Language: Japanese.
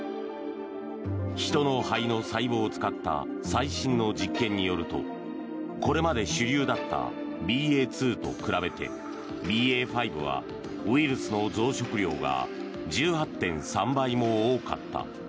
人の肺の細胞を使った最新の実験によるとこれまで主流だったＢＡ．２と比べてＢＡ．５はウイルスの増殖量が１８．３倍も多かった。